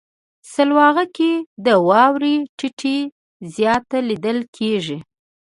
سلواغه کې د واورې ټيټی زیات لیدل کیږي.